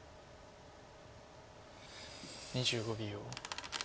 ２５秒。